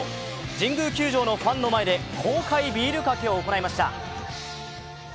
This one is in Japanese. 神宮球場のファンの前で公開ビールかけを行いました。